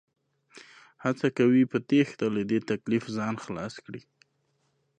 هڅه کوي په تېښته له دې تکليف ځان خلاص کړي